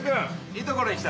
いいところに来た。